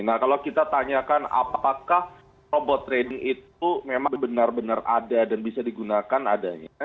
nah kalau kita tanyakan apakah robot trading itu memang benar benar ada dan bisa digunakan adanya